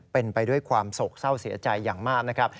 เป็นไปด้วยความโศกเศร้าเสียใจอย่างมากนะครับ